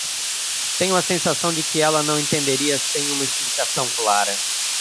Tenho a sensação de que ela não entenderia sem uma explicação clara.